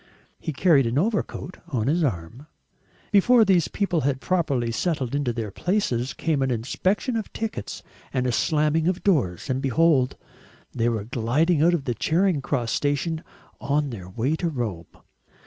He carried an overcoat on his arm. Before these people had properly settled in their places, came an inspection of tickets and a slamming of doors, and behold! they were gliding out of Charing Cross station on their way to Rome.